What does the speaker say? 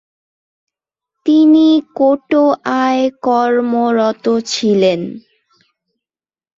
তিনি কটোয়ায় কর্মরত ছিলেন।